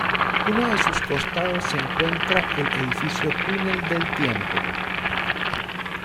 En uno de sus costados se encuentra el edificio Túnel del Tiempo.